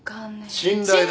信頼だ。